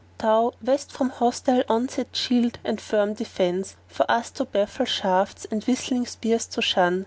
Thou west from hostile onset shield and firm defence, * For us to baffle shafts and whistling spears to shun.